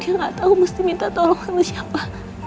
dia gak tau mesti minta tolong sama siapa